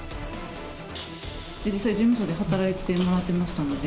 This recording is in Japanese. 実際、事務所で働いてもらっていましたので。